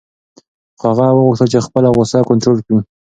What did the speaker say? خو هغه وغوښتل چې خپله غوسه کنټرول کړي.